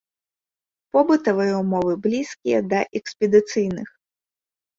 Побытавыя умовы блізкія да экспедыцыйных.